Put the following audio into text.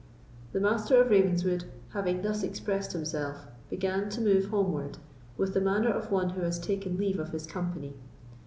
The Master of Ravenswood, having thus expressed himself, began to move homeward, with the manner of one who has taken leave of his company.